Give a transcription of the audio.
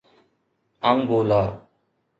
Angola